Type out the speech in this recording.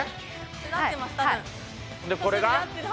でこれが？